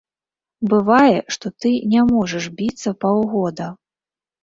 Бывае, што ты не можаш біцца паўгода.